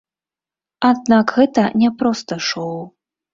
Аднак гэта не проста шоу.